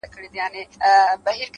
داسي دي سترگي زما غمونه د زړگي ورانوي;